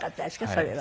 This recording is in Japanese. それは。